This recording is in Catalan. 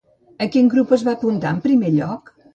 A quin grup es va apuntar en primer lloc?